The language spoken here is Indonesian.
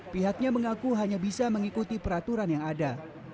pihaknya mengaku hanya bisa mengikuti peraturan yang ada